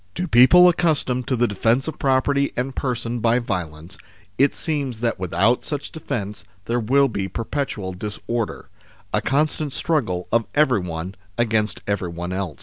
To people accustomed to the defence of property and person by violence, it seems that without such defence there will be perpetual disorder, a constant struggle of everyone against everyone else.